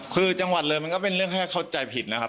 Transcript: คือจังหวัดเลยมันก็เป็นเรื่องแค่เข้าใจผิดนะครับ